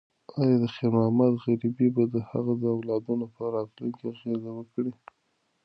ایا د خیر محمد غریبي به د هغه د اولادونو په راتلونکي اغیز وکړي؟